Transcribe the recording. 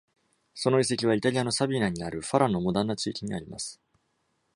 その遺跡はイタリアのサビナにあるファラのモダンな地域にあります。